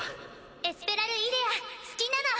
エスペラルイデア好きなの！